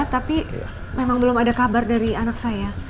tapi memang belum ada kabar dari anak saya